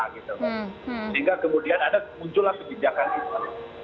sehingga kemudian ada muncullah kebijakan itu